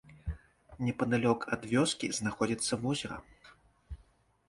Непадалёк ад вёскі знаходзіцца возера.